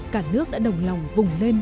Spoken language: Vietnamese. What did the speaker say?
cả nước đã đồng lòng vùng lên